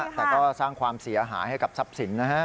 แต่ก็สร้างความเสียหายให้กับทรัพย์สินนะฮะ